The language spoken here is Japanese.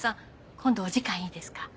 今度お時間いいですか？